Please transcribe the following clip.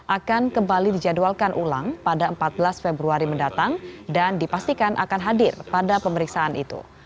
akan kembali dijadwalkan ulang pada empat belas februari mendatang dan dipastikan akan hadir pada pemeriksaan itu